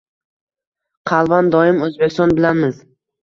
Qalban doim O‘zbekiston bilanmiz!